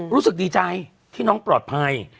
รู้สึกดีใจที่น้องปลอดภัย